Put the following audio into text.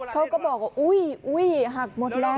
เขาก็บอกว่าอุ้ยหักหมดแล้ว